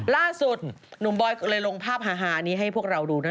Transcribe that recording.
ล่าสุดหนุ่มบอยก็เลยลงภาพฮานี้ให้พวกเราดูนะ